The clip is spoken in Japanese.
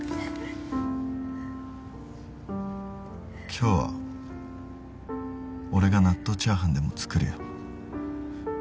今日は俺が納豆チャーハンでも作るよ。